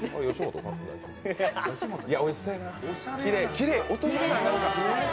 きれい。